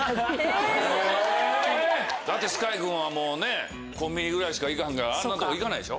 だってＳＫＹ君はもうねコンビニぐらいしか行かんからあんなとこ行かないでしょ？